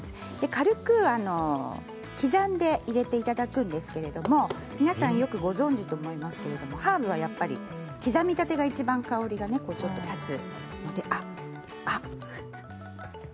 軽く刻んで入れていただくんですけれども皆さんよくご存じと思いますがハーブは刻みたてがいちばん香りが立つ。